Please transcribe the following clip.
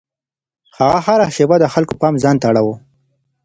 هغه هره شېبه د خلکو پام ځان ته اړاوه.